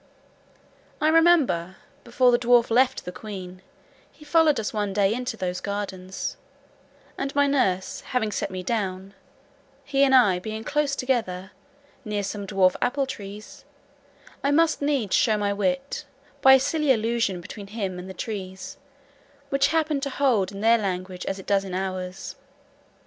I remember, before the dwarf left the queen, he followed us one day into those gardens, and my nurse having set me down, he and I being close together, near some dwarf apple trees, I must needs show my wit, by a silly allusion between him and the trees, which happens to hold in their language as it does in ours.